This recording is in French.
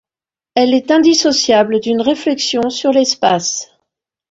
Elle est indissociable d'une réflexion sur l'espace.